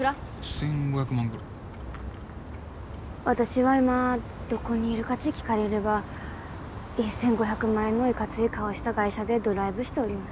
１５００万ぐらい私は今どこにいるかち聞かれれば１５００万円のいかつい顔した外車でドライブしております